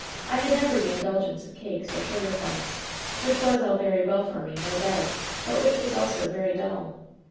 I had never the indulgence of cakes or sugar plums, which was all very well for me, no doubt, but which was also very dull.